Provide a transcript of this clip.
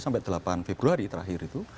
sampai delapan februari terakhir itu